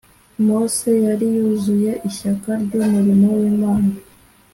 . Mose yari yuzuye ishyaka ry’umurimo w’Imana;